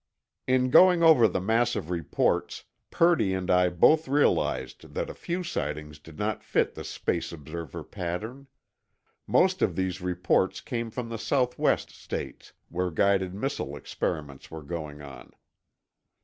In going over the mass of reports, Purdy and I both realized that a few sightings did not fit the space observer pattern. Most of these reports came from the southwest states, where guided missile experiments were going on.